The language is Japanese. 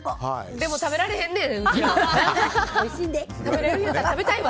でも食べられへんねんうちらは。